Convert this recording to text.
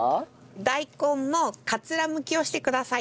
大根の桂むきをしてください。